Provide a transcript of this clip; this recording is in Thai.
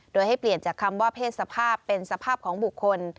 โดยให้เปลี่ยนจากคำว่าเพศสภาพเป็นสภาพของบุคคล